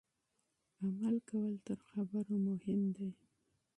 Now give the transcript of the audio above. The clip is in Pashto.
عمل کول تر خبرو مهم دي.